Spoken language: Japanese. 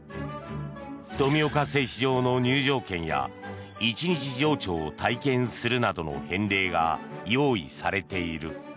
富岡製糸場の入場券や一日場長を体験するなどの返礼品が用意されている。